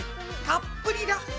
たっぷりだ。